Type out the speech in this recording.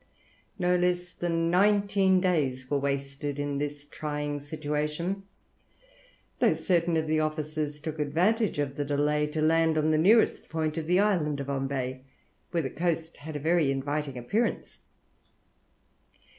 No less than nineteen days were wasted in this trying situation; though certain of the officers took advantage of the delay to land on the nearest point of the island of Ombay, where the coast had a very inviting appearance.